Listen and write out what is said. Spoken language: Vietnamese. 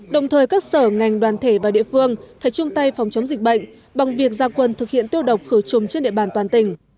đồng thời các sở ngành đoàn thể và địa phương phải chung tay phòng chống dịch bệnh bằng việc gia quân thực hiện tiêu độc khử trùng trên địa bàn toàn tỉnh